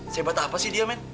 sehebat apa sih dia men